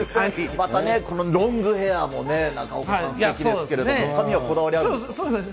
また、ロングヘアもね、中岡さん、すてきですけれども、髪はこだわりあるんですか。